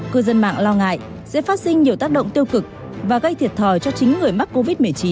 cư dân mạng lo ngại sẽ phát sinh nhiều tác động tiêu cực và gây thiệt thòi cho chính người mắc covid một mươi chín